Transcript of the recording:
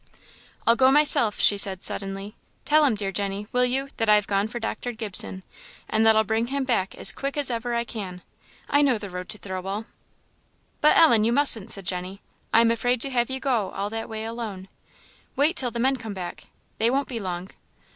"I'll go myself!" she said, suddenly. "Tell 'em, dear Jenny, will you, that I have gone for Dr. Gibson, and that I'll bring him back as quick as ever I can. I know the road to Thirlwall." "But Ellen! you mustn't," said Jenny; "I am afraid to have you go all that way alone. Wait till the men come back they won't be long."